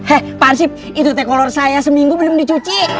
eh pansip itu teh kolor saya seminggu belum dicuci